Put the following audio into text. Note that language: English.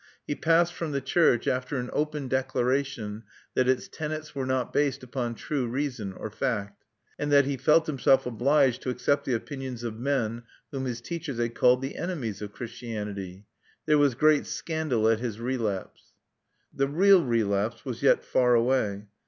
He passed from the church after an open declaration that its tenets were not based upon true reason or fact; and that he felt himself obliged to accept the opinions of men whom his teachers had called the enemies of Christianity. There was great scandal at his "relapse." The real "relapse" was yet far away.